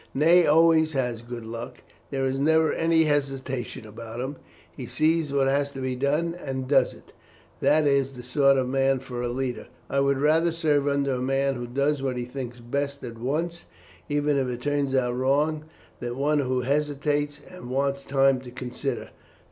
Ney always has good luck. There is never any hesitation about him. He sees what has to be done and does it. That is the sort of man for a leader. I would rather serve under a man who does what he thinks best at once, even if it turns out wrong, than one who hesitates and wants time to consider.